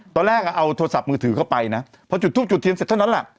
ตอนแรกอ่ะเอาโทรศัพท์มือถือเข้าไปนะพอจุดทูปจุดเทียนเสร็จเท่านั้นแหละ